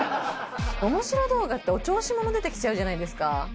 おもしろ動画ってお調子者が出てきちゃうじゃないですか。